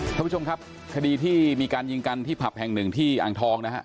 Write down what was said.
ท่านผู้ชมครับคดีที่มีการยิงกันที่ผับแห่งหนึ่งที่อ่างทองนะฮะ